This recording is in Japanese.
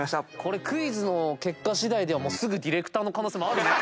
クイズの結果しだいではすぐディレクターの可能性もあるね。